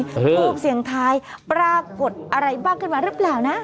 ทูปเสียงทายปรากฏอะไรบ้างขึ้นมาหรือเปล่านะ